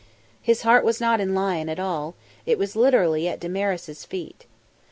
His heart was not in "lion" at all, it was literally at Damaris' feet.